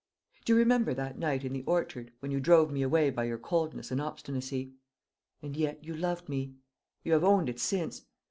Do you remember that night in the orchard, when you drove me away by your coldness and obstinacy? And yet you loved me! You have owned it since.